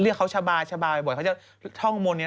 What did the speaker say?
เรียกเขาสบายบ่อยเขาจะท่องมนต์นี้